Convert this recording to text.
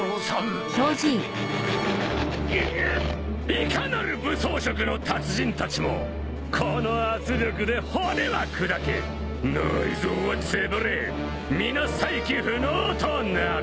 いかなる武装色の達人たちもこの圧力で骨は砕け内臓はつぶれ皆再起不能となる。